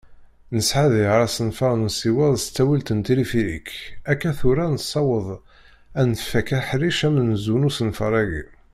Nesɛa diɣ asenfar n usiweḍ s ttawil n tilifirik. Akka tura, nessaweḍ ad nfak aḥric amenzu n usenfar-agi